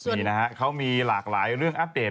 นี่นะฮะเขามีหลากหลายเรื่องอัปเดต